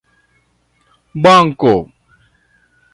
banko